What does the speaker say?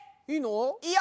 いいの？